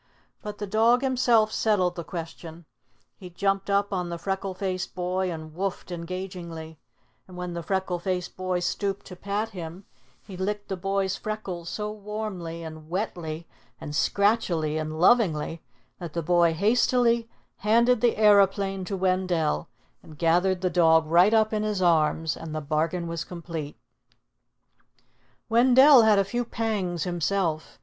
But the dog himself settled the question. He jumped up on the freckle faced boy and "woof" ed engagingly; and when the freckle faced boy stooped to pat him, he licked the boy's freckles so warmly and wetly and scratchily and lovingly that the boy hastily handed the aeroplane to Wendell and gathered the dog right up in his arms; and the bargain was complete. Wendell had a few pangs himself.